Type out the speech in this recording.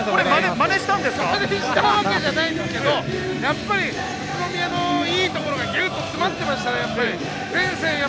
マネしたわけじゃないですけれども、宇都宮のいいところがギュッと詰まっていましたね。